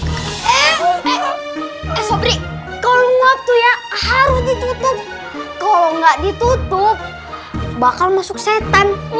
eh sopri kalau waktu ya harus ditutup kalau nggak ditutup bakal masuk setan